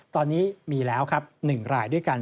ตอนนี้มีแล้วครับ๑รายด้วยกัน